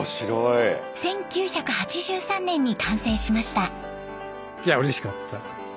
１９８３年に完成しました。